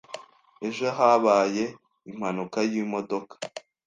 Ejo habaye impanuka yimodoka.